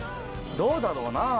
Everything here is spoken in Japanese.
どうだろうなぁ？